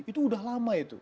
itu sudah lama itu